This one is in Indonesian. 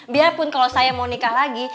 biarpun kalau saya mau nikah lagi